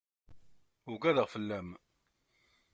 Ugadeɣ fell-am.